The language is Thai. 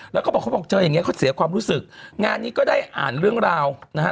แล้วก็บอกเขาบอกเจออย่างเงี้เขาเสียความรู้สึกงานนี้ก็ได้อ่านเรื่องราวนะฮะ